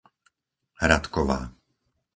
Ratková